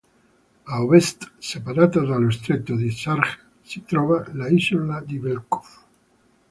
A ovest, separata dallo stretto di Zarja, si trova l'isola di Bel'kov.